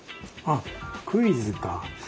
あっクイズか。